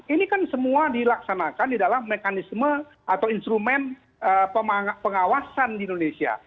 ini kan semua dilaksanakan di dalam mekanisme atau instrumen pengawasan di indonesia